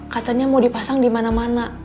katanya mau dipasang dimana mana